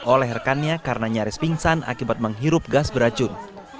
oleh rekannya karena nyaris pingsan akibat menghirup gas beracun